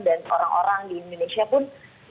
dan orang orang di indonesia pun